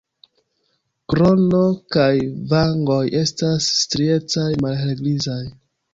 Krono kaj vangoj estas striecaj malhelgrizaj.